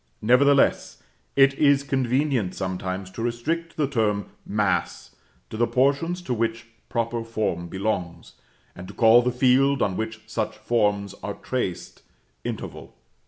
Nevertheless, it is convenient sometimes to restrict the term "mass" to the portions to which proper form belongs, and to call the field on which such forms are traced, interval.